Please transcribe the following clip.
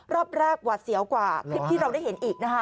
รอบแรกหวาดเสียวกว่าคลิปที่เราได้เห็นอีกนะคะ